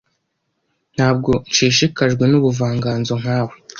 Ntabwo nshishikajwe nubuvanganzo nkawe